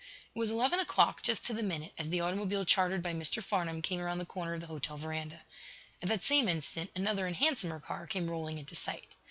It was eleven o'clock, just to the minute, as the automobile chartered by Mr. Farnum came around the corner of the hotel veranda. At that same instant another and handsomer car came rolling into sight.